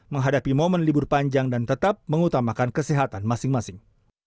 menghadapi momen libur panjang dan tetap mengutamakan kesehatan masing masing